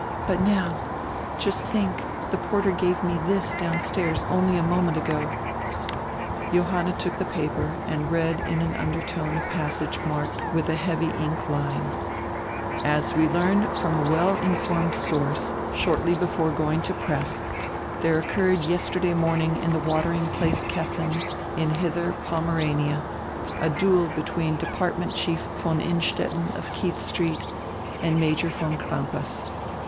But now —Just diink, die porter gave me this downstairs only a moment ago." Johanna took die paper and read in an undertone a pas sage marked with a heavy ink line: "As we learn from a well informed source, shortly before going to press, there occurred yesterday morning in die watering place Kessin, in Hidier Pomerania, a duel between Department Chief von Innstetten of Keidi St. and Major von Crampas.